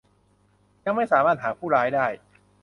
ยังไม่สามารถหาผู้ร้ายได้